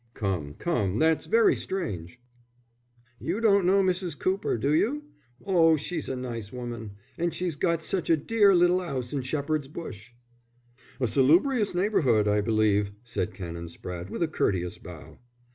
"Come, come, that's very strange." "You don't know Mrs. Cooper, do you? Oh, she's such a nice woman. And she's got such a dear little 'ouse in Shepherd's Bush." "A salubrious neighbourhood, I believe," said Canon Spratte, with a courteous bow.